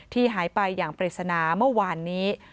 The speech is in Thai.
ที่หายไปอย่างเปรียสนาเมื่อวานนี้